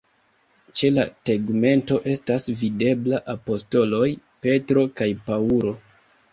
Ĉe la tegmento estas videbla apostoloj Petro kaj Paŭlo.